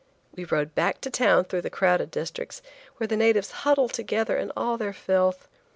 We rode back to town through the crowded districts, where the natives huddle together in all their filth.